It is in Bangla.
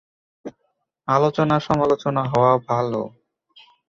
আলোচনা সমালোচনা হওয়া ভালো।